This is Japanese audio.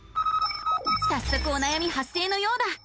さっそくおなやみ発生のようだ。